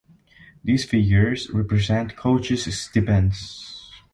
These figures represent coaches stipends.